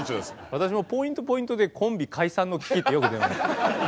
私もポイントポイントでコンビ解散の危機ってよく出ます。